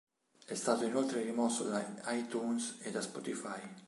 È stato inoltre rimosso da iTunes e da Spotify.